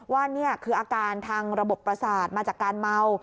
ว่านี่คืออาการทางระบบประสาทมาจากการเมา